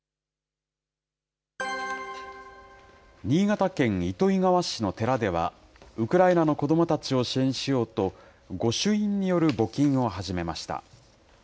新潟県糸魚川市の寺では、ウクライナの子どもたちを支援しようと、御朱印による募金を始めました。